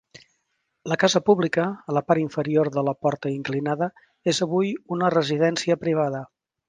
La casa pública, a la part inferior de la porta inclinada, és avui una residència privada.